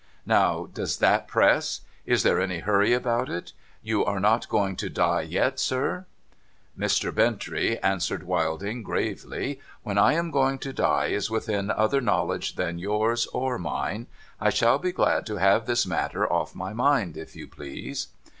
Now, does that press ? Is there any hurry about it ? You are not going to die yet, sir.' ' Mr. Bintrey,' answered Wilding, gravely, ' when I am going to die is within other knowledge than yours or mine. I shall be glad to have this matter off my mind, if you please.'